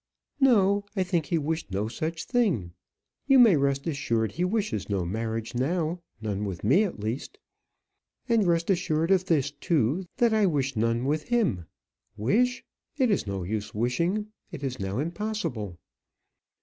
"No; I think he wished no such thing. You may rest assured he wishes no marriage now; none with me, at least. And rest assured of this, too, that I wish none with him. Wish! it is no use wishing. It is now impossible."